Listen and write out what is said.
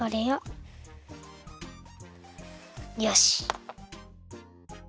よし！